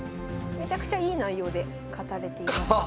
めちゃくちゃいい内容で勝たれていました。